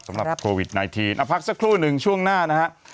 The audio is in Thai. สำหรับโควิด๑๙พักสักครู่หนึ่งช่วงหน้านะฮะ